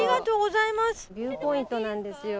ビューポイントなんですよ。